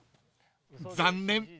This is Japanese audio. ［残念。